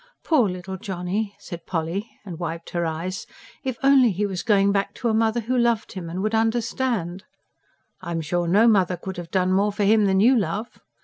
"Poor little Johnny," and Polly wiped her eyes. "If only he was going back to a mother who loved him, and would understand." "I'm sure no mother could have done more for him than you, love."